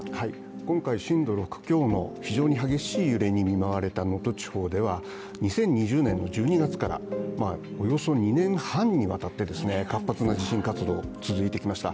今回震度６強の非常に激しい揺れに見舞われた能登地方では２０２０年１２月からおよそ２年半にわたって活発な地震活動が続いてきました。